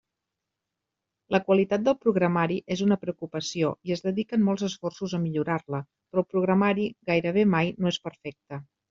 La qualitat del programari és una preocupació i es dediquen molts esforços a millorar-la, però el programari gairebé mai no és perfecte.